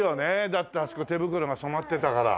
だってあそこ手袋が染まってたから。